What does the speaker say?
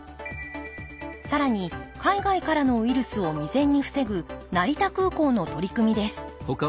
更に海外からのウイルスを未然に防ぐ成田空港の取り組みです